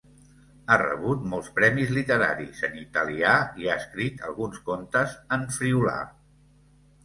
Ha rebut molts premis literaris en italià i ha escrit alguns contes en friülà.